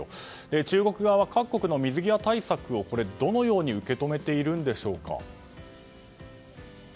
中国側は各国の水際対策をどのように受け止めているんでしょうか。